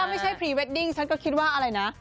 ไม่ใช่พรีเวดดิ้งฉันก็คิดว่าอะไรนะ